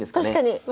確かに。